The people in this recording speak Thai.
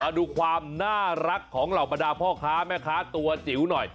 ดูความน่ารักของเหล่าบรรดาพ่อค้าแม่ค้าตัวจิ๋วหน่อย